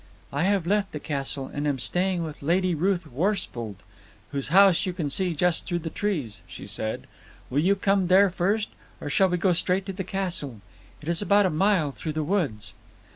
"I have left the castle, and am staying with Lady Ruth Worsfold, whose house you can just see through the trees," she said. "Will you come there first, or shall we go straight to the castle. It is about a mile through the woods."